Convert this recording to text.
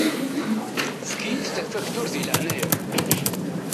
Efk-iyi-d tafakturt di leɛnaya-k.